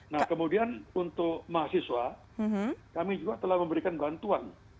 nah kemudian untuk mahasiswa kami juga telah memberikan bantuan